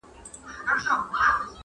لږ وزړه ته مي ارام او سکون غواړم,